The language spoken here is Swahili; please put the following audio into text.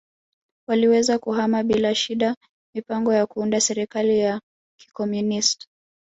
waliweza kuhama bila shida mipango ya kuunda serikali ya kikomunist